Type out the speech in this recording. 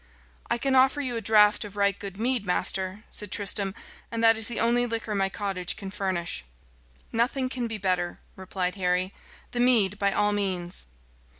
"I can offer you a draught of right good mead, master," said Tristram; "and that is the only liquor my cottage can furnish." "Nothing can be better," replied Harry. "The mead, by all means."